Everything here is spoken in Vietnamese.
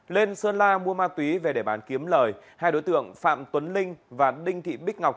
lên sơn la mua ma túy về để bán kiếm lời hai đối tượng phạm tuấn linh và đinh thị bích ngọc